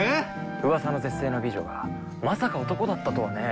うわさの絶世の美女がまさか男だったとはね。